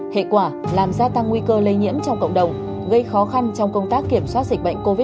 hệ quả làm gia tăng nguy cơ lây nhiễm trong cộng đồng gây khó khăn trong công tác kiểm soát dịch bệnh covid một mươi chín